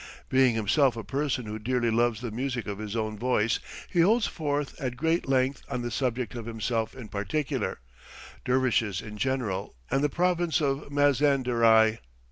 Being himself a person who dearly loves the music of his own voice, he holds forth at great length on the subject of himself in particular, dervishes in general, and the Province of Mazanderaii.